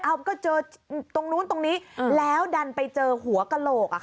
เอาก็เจอตรงนู้นตรงนี้แล้วดันไปเจอหัวกระโหลก